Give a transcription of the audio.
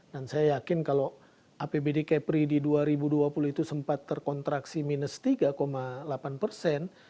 dan saya yakin kalau apbd capri di dua ribu dua puluh itu sempat terkontraksi minus tiga delapan persen